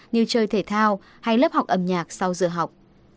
như chơi thể thao hay lớp học âm nhạc sau giờ học